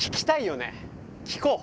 聞こう。